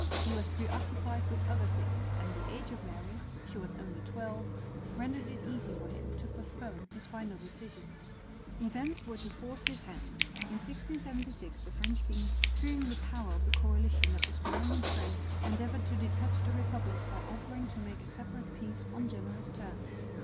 He was preoccupied with other things, and the age of Mary she was only twelve rendered it easy for him to postpone his final decision. Events were to force his hand. In 1676 the French king, fearing the power of the coalition that was growing in strength, endeavoured to detach the republic by offering to make a separate peace on generous terms.